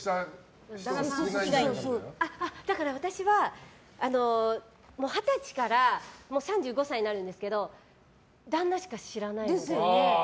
だから私は二十歳からもう３５歳になるんですけど旦那しか知らないです。